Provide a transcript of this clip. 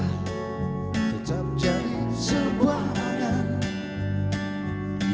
tetap jadi sepanjang